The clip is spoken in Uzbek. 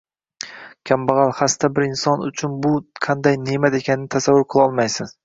Kambag‘al, xasta bir inson uchun bu qanday «ne’mat» ekanini tasavvur qilolmaysiz.